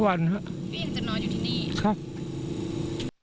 พี่ยันจะรออยู่ที่นี่